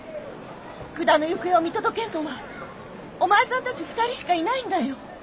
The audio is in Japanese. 札の行方を見届けんのはお前さんたち２人しかいないんだよ。